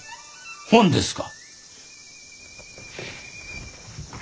本ですか？